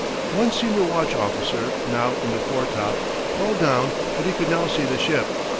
One senior watch officer, now in the foretop, called down that he could now see the ship.